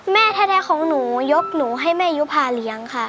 แม่แท้ของหนูยกหนูให้แม่ยุภาเลี้ยงค่ะ